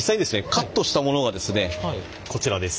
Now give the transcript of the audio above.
カットしたものがですねこちらです。